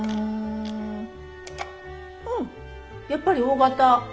うんやっぱりＯ型。